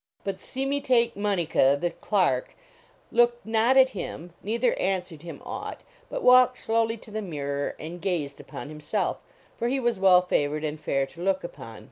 But Seme Taik Munnica the Clark looked not at him, neither answered him aught, but walked slowly to the mirror and gazed upon himself, for he was well favored and fair to look upon.